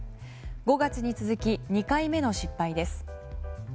５月に続き２回目の失敗です。